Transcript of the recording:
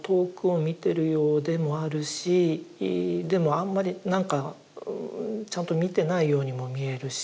あんまりなんかちゃんと見てないようにも見えるし。